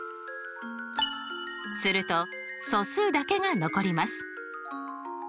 すると素数だけが残ります。